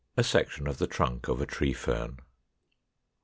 A section of the trunk of a Tree Fern.